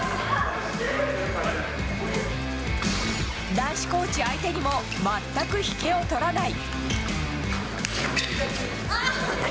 男子コーチ相手にも全く引けを取らない。